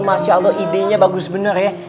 masya allah idenya bagus benar ya